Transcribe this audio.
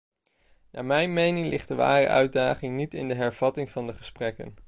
Naar mijn mening ligt de ware uitdaging niet in de hervatting van de gesprekken.